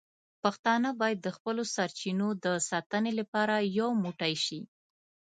پښتانه باید د خپلو سرچینو د ساتنې لپاره یو موټی شي.